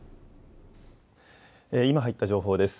今入った情報です。